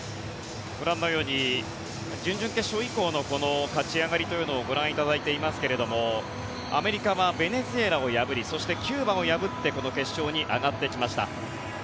ご覧のように準々決勝以降の勝ち上がりをご覧いただいていますがアメリカはベネズエラを破りそしてキューバを破ってこの決勝に上がってきました。